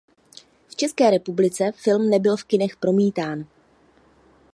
V České republice film nebyl v kinech promítán.